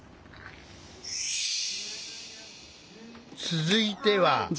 続いては。